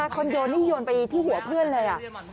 คนโยนนี่โยนไปที่หัวเพื่อนเลย